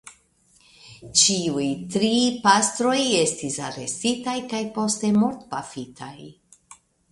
Ĉiuj tri pastroj estis arestitaj kaj poste mortpafitaj.